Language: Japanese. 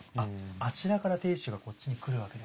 あちらから亭主がこっちに来るわけですね。